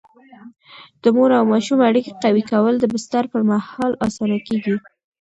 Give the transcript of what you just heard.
د مور او ماشوم اړیکه قوي کول د بستر پر مهال اسانه کېږي.